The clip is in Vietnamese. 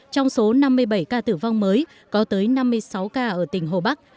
trong số năm mươi bảy ca tử vong mới có tới năm mươi sáu ca ở tỉnh hồ bắc